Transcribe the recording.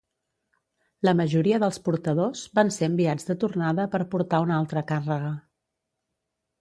La majoria dels portadors van ser enviats de tornada per portar una altra càrrega.